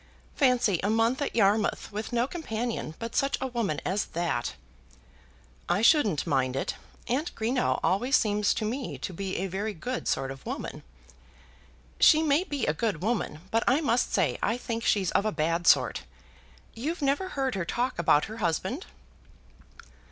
Fancy a month at Yarmouth with no companion but such a woman as that!" "I shouldn't mind it. Aunt Greenow always seems to me to be a very good sort of woman." "She may be a good woman, but I must say I think she's of a bad sort. You've never heard her talk about her husband?"